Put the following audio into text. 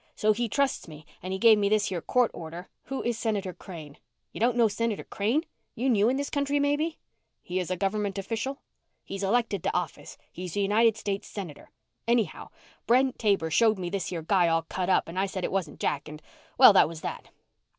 So he trusts me and he gave me this here court order " "Who is Senator Crane?" "You don't know Senator Crane? You new in this country maybe?" "He is a government official?" "He's elected to office. He's a United States Senator. Anyhow, Brent Taber showed me this here guy all cut up and I said it wasn't Jack and well, that was that."